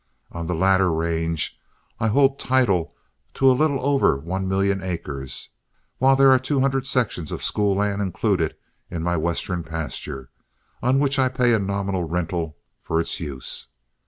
On the latter range I hold title to a little over one million acres, while there are two hundred sections of school land included in my western pasture, on which I pay a nominal rental for its use.